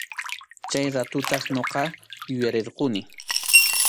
Chay ratutaq ñuqa yuyarirquni.